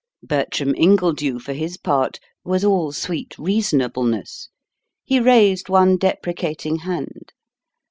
Bertram Ingledew for his part was all sweet reasonableness. He raised one deprecating hand.